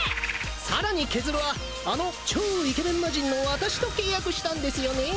さらにケズルはあの超イケメンマジンの私と契約したんですよね！